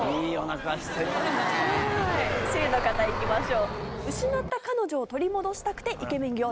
Ｃの方行きましょう。